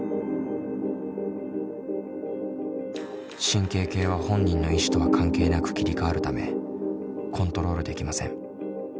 神経系は本人の意思とは関係なく切り替わるためコントロールできません。